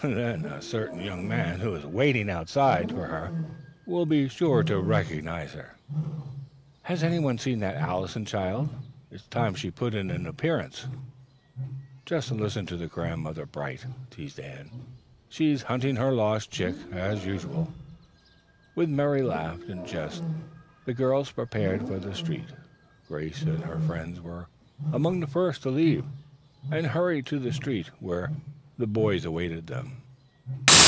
Then a certain young man who is waiting outside for her will be sure to recognize her. Has anyone seen that Allison child? It's time she put in an appearance." "Just listen to Grandmother Bright," teased Anne. "She is hunting her lost chick, as usual." With merry laugh and jest the girls prepared for the street. Grace and her friends were among the first to leave, and hurried to the street, where the boys awaited them.